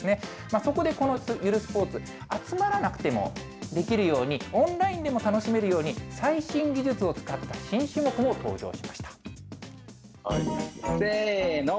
そこでこのゆるスポーツ、集まらなくてもできるように、オンラインでも楽しめるように、最新技術を使った新種目も登場しました。